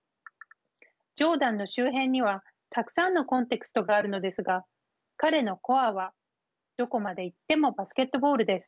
ジョーダンの周辺にはたくさんのコンテクストがあるのですが彼のコアはどこまでいってもバスケットボールです。